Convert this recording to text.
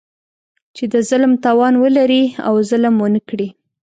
چې د ظلم توان ولري او ظلم ونه کړي.